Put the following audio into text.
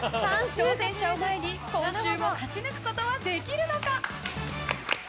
挑戦者を前に今週も勝ち抜くことはできるのか？